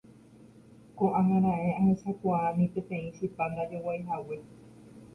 ko'ág̃a raẽ ahechakuaa ni peteĩ chipa ndajoguaihague